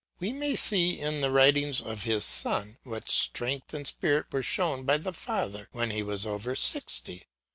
We may see in the writings of his son what strength and spirit were shown by the father when he was over sixty.